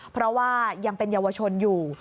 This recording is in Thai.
เพราะว่ายังเป็นเยาวชนอยู่